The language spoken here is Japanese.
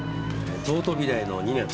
東都美大の２年。